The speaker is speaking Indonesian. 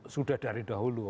sudah dari dahulu